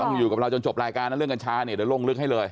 อยู่กับเราจนจบรายการนะเรื่องกัญชาเนี่ยเดี๋ยวลงลึกให้เลย